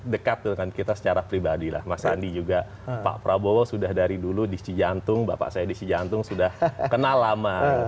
dekat dengan kita secara pribadi mas sandi juga pak pramohosa sudah dari dulu di si jantung bapak saya di si jantung sudah kenal lama